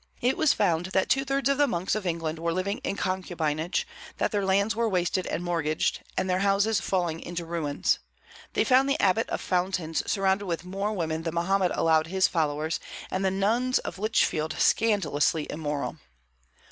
It was found that two thirds of the monks of England were living in concubinage; that their lands were wasted and mortgaged, and their houses falling into ruins. They found the Abbot of Fountains surrounded with more women than Mohammed allowed his followers, and the nuns of Litchfield scandalously immoral.